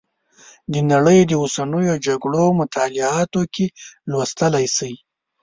د نړۍ د اوسنیو جګړو مطالعاتو کې لوستلی شئ.